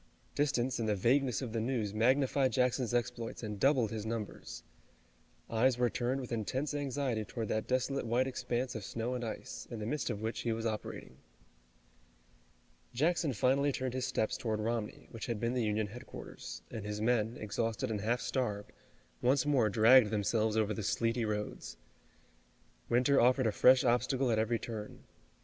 Distance and the vagueness of the news magnified Jackson's exploits and doubled his numbers. Eyes were turned with intense anxiety toward that desolate white expanse of snow and ice, in the midst of which he was operating. Jackson finally turned his steps toward Romney, which had been the Union headquarters, and his men, exhausted and half starved, once more dragged themselves over the sleety roads. Winter offered a fresh obstacle at every turn.